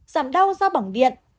giảm đau do bỏng điện